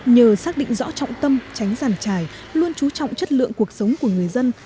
nhờ xác định rõ trọng tâm tránh giàn trài luôn chú trọng chất lượng cuộc sống của người dân